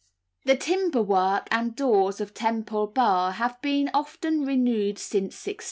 ] The timber work and doors of Temple Bar have been often renewed since 1672.